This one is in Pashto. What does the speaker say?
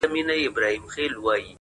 زما هغـه ســـترگو ته ودريـــږي’